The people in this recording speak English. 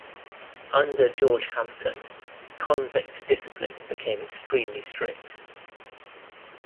Under George Hampton, convict discipline became extremely strict.